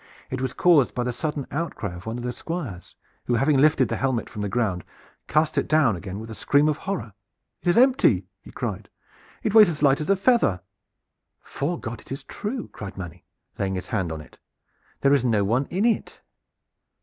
It was caused by the sudden outcry of one of the Squires who, having lifted the helmet from the ground, cast it down again with a scream of horror. "It is empty!" he cried. "It weighs as light as a feather." "'Fore God, it is true!" cried Manny, laying his hand on it. "There is no one in it.